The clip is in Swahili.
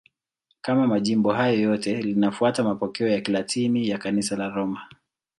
Kama majimbo hayo yote, linafuata mapokeo ya Kilatini ya Kanisa la Roma.